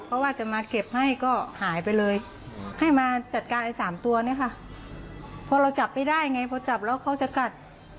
พอเราจับไม่ได้ไงพอจับแล้วเขาจะกัด